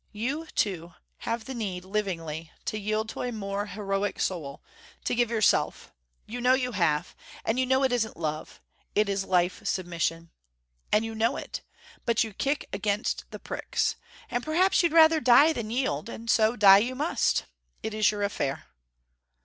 You, too, have the need livingly to yield to a more heroic soul, to give yourself. You know you have. And you know it isn't love. It is life submission. And you know it. But you kick against the pricks. And perhaps you'd rather die than yield. And so, die you must. It is your affair."